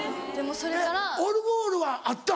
オルゴールはあったん？